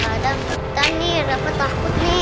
ada petani dapat takut nih